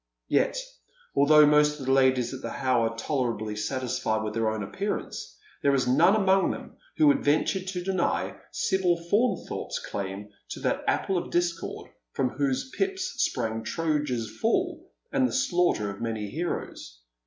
Yet, although most of the ladies at the How are tolerably satis fied with their own appearance, there is none among them who would venture to deny Sibyl Faunthorpe's claim to that apple of discord from whose pips sprang Troja's fall, and the slaughter of many heroes.